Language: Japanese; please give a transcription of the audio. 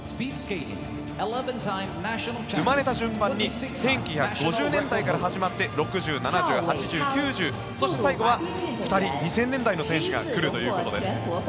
生まれた順番に１９５０年代から始まって６０、７０、８０、９０そして最後は２人２０００年代の選手が来るということです。